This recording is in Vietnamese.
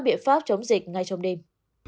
các biện pháp chống dịch ngay trong đêm